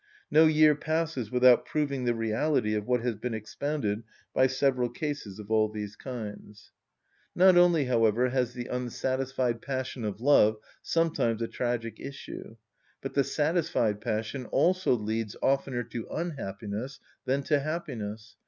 No year passes without proving the reality of what has been expounded by several cases of all these kinds. Not only, however, has the unsatisfied passion of love sometimes a tragic issue, but the satisfied passion also leads oftener to unhappiness than to happiness.